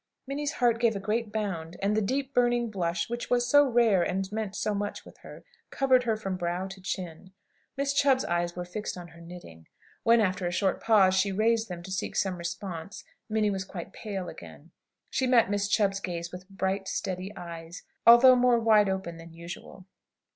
Minnie's heart gave a great bound; and the deep, burning blush which was so rare and meant so much with her, covered her face from brow to chin. Miss Chubb's eyes were fixed on her knitting. When, after a short pause, she raised them to seek some response, Minnie was quite pale again. She met Miss Chubb's gaze with bright, steady eyes, a thought more wide open than usual.